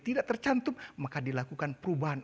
tidak tercantum maka dilakukan perubahan